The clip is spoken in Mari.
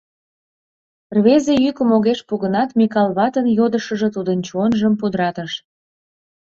Рвезе йӱкым огеш пу гынат, Микал ватын йодышыжо тудын чонжым пудратыш.